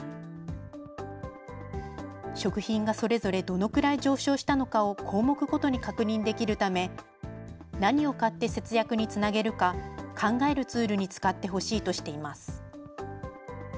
食品がそれぞれどのくらい上昇したのかを項目ごとに確認できるため、何を買って節約につなげるか考えるツールに使ってほしいとしています。